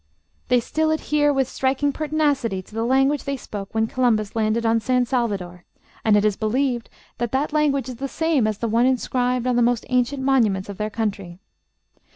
They still adhere with striking pertinacity to the language they spoke when Columbus landed on San Salvador; and it is believed that that language is the same as the one inscribed on the most ancient monuments of their country.